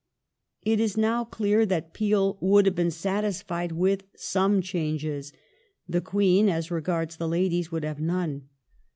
It is now clear that Peel would have been satisfied with some changes ; the Queen as regards the Ladies would have none.